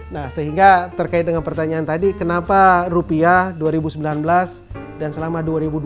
nah sehingga terkait dengan pertanyaan tadi kenapa rupiah dua ribu sembilan belas dan selama dua ribu dua puluh